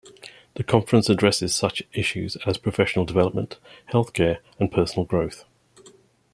The conference addresses such issues as professional development, health care, and personal growth.